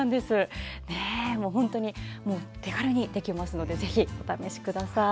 本当に手軽にできますのでぜひお試しください。